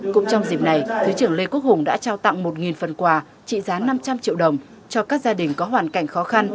cũng trong dịp này thứ trưởng lê quốc hùng đã trao tặng một phần quà trị giá năm trăm linh triệu đồng cho các gia đình có hoàn cảnh khó khăn